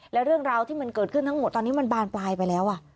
แล้วเรื่องราวที่มันเกิดขึ้นทั้งหมดตอนนี้มันบานปลายไปแล้ว